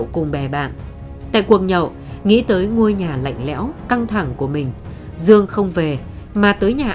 chúng ta không nên hắt hủi hay quay lưng lại với nó